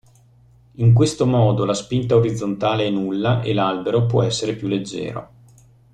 In questo modo la spinta orizzontale è nulla e l'albero può essere più leggero.